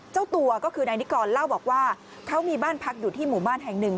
เจ้าตัวก็คือนายนิกรเล่าบอกว่าเขามีบ้านพักอยู่ที่หมู่บ้านแห่งหนึ่ง